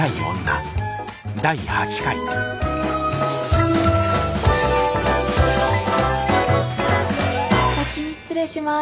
お先に失礼します。